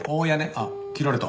あっ切られた。